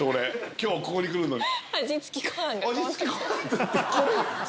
今日ここに来るのに。